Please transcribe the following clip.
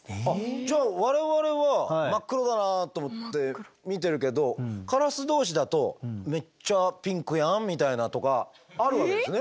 じゃあ我々は真っ黒だなあと思って見てるけどカラスどうしだと「めっちゃピンクやん？」みたいなとかあるわけですね？